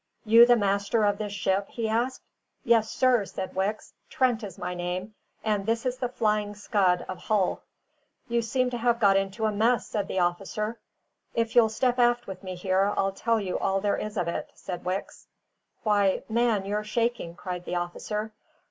"You the master of this ship?" he asked. "Yes, sir," said Wicks. "Trent is my name, and this is the Flying Scud of Hull." "You seem to have got into a mess," said the officer. "If you'll step aft with me here, I'll tell you all there is of it," said Wicks. "Why, man, you're shaking!" cried the officer.